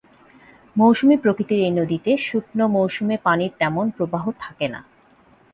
মৌসুমি প্রকৃতির এই নদীতে শুকনো মৌসুমে পানির তেমন প্রবাহ থাকে না।